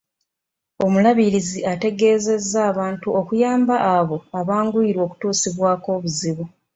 Omulabirizi ategeezezza abantu okuyamba abo abanguyirwa okutuusibwako obuzibu .